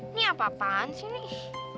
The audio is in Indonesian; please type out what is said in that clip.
ini apa apaan sih ini